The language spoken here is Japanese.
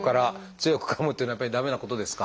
「強くかむ」っていうのはやっぱり駄目なことですか？